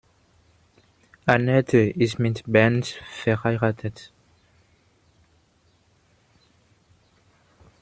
Anette ist mit Bernd verheiratet.